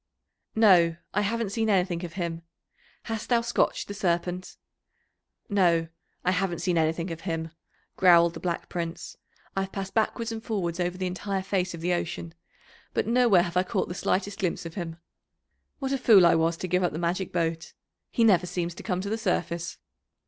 "No, I haven't seen anything of him. Hast thou scotched the Serpent?" "No, I haven't seen anything of him," growled the Black Prince. "I've passed backwards and forwards over the entire face of the ocean, but nowhere have I caught the slightest glimpse of him. What a fool I was to give up the magic boat! He never seems to come to the surface."